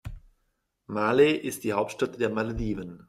Malé ist die Hauptstadt der Malediven.